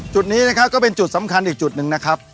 จุดนี้นะครับก็เป็นจุดสำคัญอีกจุดหนึ่งนะครับ